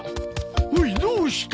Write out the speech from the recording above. おいどうした？